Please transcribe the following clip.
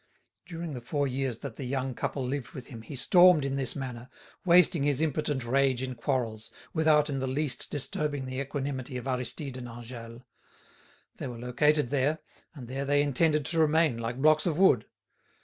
During the four years that the young couple lived with him he stormed in this manner, wasting his impotent rage in quarrels, without in the least disturbing the equanimity of Aristide and Angèle. They were located there, and there they intended to remain like blocks of wood.